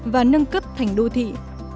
và nâng cấp thành đô thị